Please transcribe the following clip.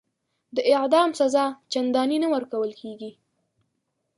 د اعدام سزا چنداني نه ورکول کیږي.